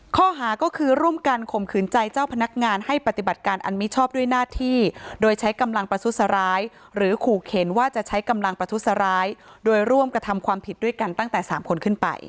ข้อหาก็คือร่วมกันข่มขืนใจเจ้าพนักงานให้ปฏิบัติการอันมิชอบด้วยหน้าที่โดยใช้กำลังประทุษร้ายหรือขู่เข็นว่าจะใช้กำลังประทุษร้ายโดยร่วมกระทำความผิดด้วยกันตั้งแต่๓คนขึ้นไป